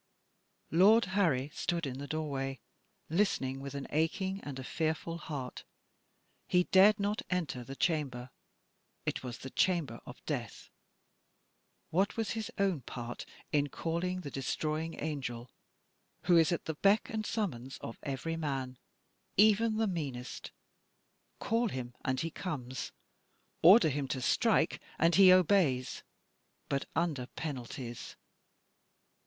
Lord Harry stood in the doorway, listening with an aching and a fearful heart. He dared not enter the chamber. It was the Chamber of Death. What was his own part in calling the Destroying Angel who is at the beck and summons of every man even the meanest? Call him and he comes. Order him to strike and he obeys. But under penalties.